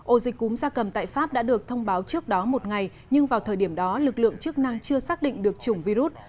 ổ dịch cúm gia cầm tại pháp đã được thông báo trước đó một ngày nhưng vào thời điểm đó lực lượng chức năng chưa xác định được chủng virus